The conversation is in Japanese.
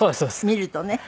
見るとね。